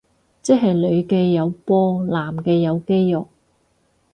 即係女嘅有波男嘅有肌肉